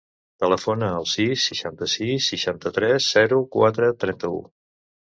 Telefona al sis, seixanta-sis, seixanta-tres, zero, quatre, trenta-u.